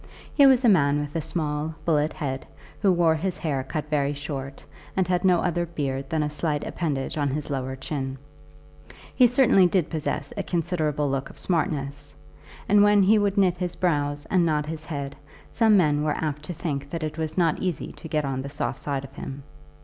He was a man with a small bullet head, who wore his hair cut very short, and had no other beard than a slight appendage on his lower chin. He certainly did possess a considerable look of smartness, and when he would knit his brows and nod his head, some men were apt to think that it was not easy to get on the soft side of him.